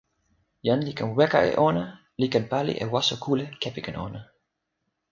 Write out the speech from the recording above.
jan li ken weka e ona li ken pali e waso kule kepeken ona.